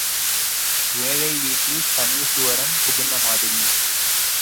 ஏழை வீட்டில் சனீசுவரன் புகுந்த மாதிரி.